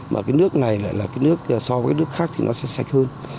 mà nước này lại là nước so với nước khác thì nó sẽ sạch hơn